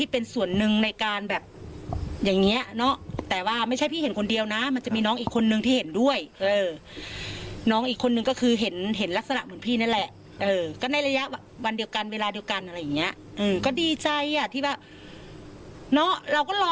พูดไม่ถูกเทียววันหนึ่งน่ะหูยอะไรเดี๋ยวก็